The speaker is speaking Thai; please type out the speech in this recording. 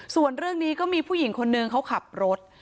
ส่วนเรื่องนี้ก็มีผู้หญิงคนนึงเขาขับรถ